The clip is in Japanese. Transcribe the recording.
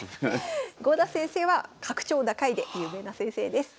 郷田先生は格調高いで有名な先生です。